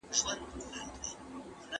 د نجونو تعليم پرېکړې ملاتړ کوي.